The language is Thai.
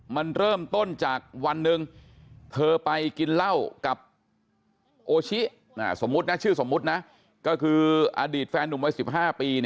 มันเริ่มต้นจากวันหนึ่งเธอไปกินเหล้ากับโอชิสมมุตินะชื่อสมมุตินะก็คืออดีตแฟนหนุ่มวัย๑๕ปี